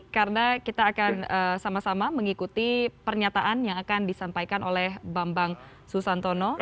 karena kita akan sama sama mengikuti pernyataan yang akan disampaikan oleh bambang susantono